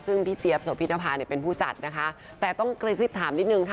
ซึ่งพี่เจี๊ยบโสพินภาเนี่ยเป็นผู้จัดนะคะแต่ต้องกระซิบถามนิดนึงค่ะ